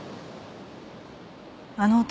あの男